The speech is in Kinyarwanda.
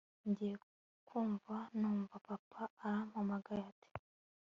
ngiye kumva numva papa arampamagaye ati